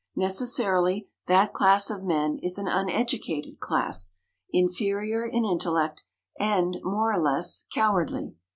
Necessarily, that class of men is an uneducated class, inferior in intellect, and, more or less, cowardly.